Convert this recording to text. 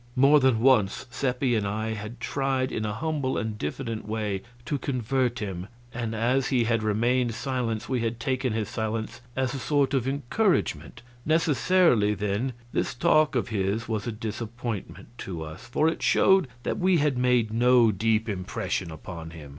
More than once Seppi and I had tried in a humble and diffident way to convert him, and as he had remained silent we had taken his silence as a sort of encouragement; necessarily, then, this talk of his was a disappointment to us, for it showed that we had made no deep impression upon him.